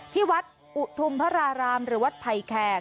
ที่วัดอุทุมพระรารามหรือวัดไผ่แขก